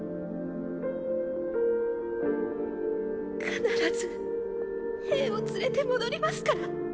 必ず兵を連れて戻りますから。